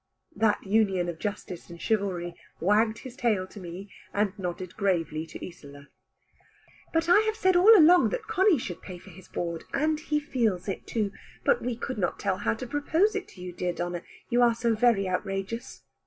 That union of justice and chivalry wagged his tail to me, and nodded gravely to Isola. "But I have said all along that Conny should pay for his board, and he feels it too: but we could not tell how to propose it to you, dear Donna, you are so very outrageous."